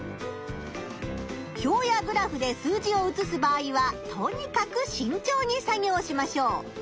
表やグラフで数字を写す場合はとにかくしんちょうに作業しましょう。